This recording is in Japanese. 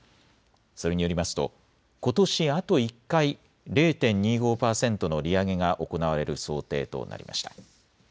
それによりますとことしあと１回、０．２５％の利上げが行われる想定となりました。